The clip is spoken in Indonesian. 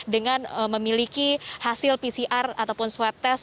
dengan memiliki hasil pcr ataupun swab test